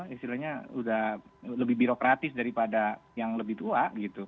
istilahnya udah lebih birokratis daripada yang lebih tua gitu